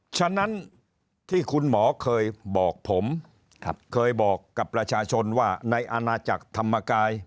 ฉะนั้นที่คุณหมอเคยบอกผมเคยบอกกับประชาชนว่าในอาณาจักรธรรมกาย